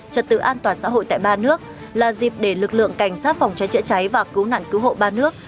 trật tự an toàn xã hội tại ba nước là dịp để lực lượng cảnh sát phòng cháy chữa cháy và cứu nạn cứu hộ ba nước